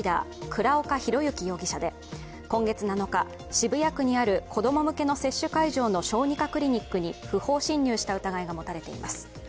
倉岡宏行容疑者で今月７日、渋谷区にある子供向けの接種会場の小児科クリニックに不法侵入した疑いが持たれています。